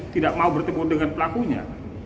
tidak mau bertemu dengan pelakunya